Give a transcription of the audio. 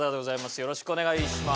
よろしくお願いします。